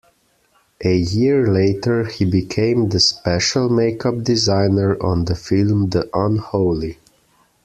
A year later he became the special makeup designer on the film "The Unholy".